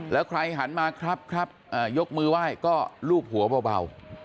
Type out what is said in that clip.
แล้วใครหันมาครับครับยกมือไหว้ก็ลูบหัวเบา